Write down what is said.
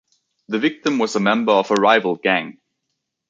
The victim was a member of a rival gang.